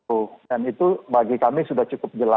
merchant itu bagi kami sudah cukup jelas